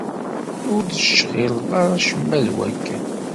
Ur d-tecɣileḍ ara acemma d wakken?